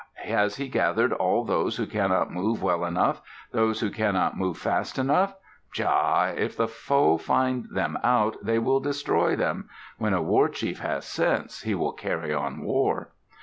Has he gathered all those who cannot move well enough, those who cannot move fast enough? Pshaw! If the foe find them out, they will destroy them. When a war chief has sense, he will carry on war."